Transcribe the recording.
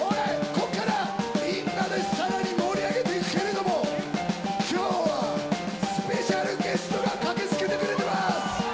こっからみんなでさらに盛り上げていくけれども今日はスペシャルゲストが駆け付けてくれてます。